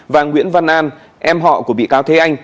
và nguyễn văn an em họ của bị cáo thế anh